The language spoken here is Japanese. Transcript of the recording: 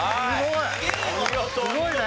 すごいね！